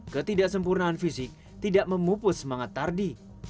ketidaksempurnaan fisik tidak memupus semangat tardi